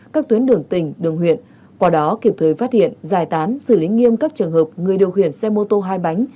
các tuyến đường tỉnh đường huyện qua đó kịp thời phát hiện giải tán xử lý nghiêm các trường hợp người điều khiển xe mô tô hai bánh